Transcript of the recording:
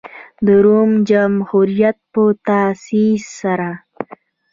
د روم جمهوریت په تاسیس سره.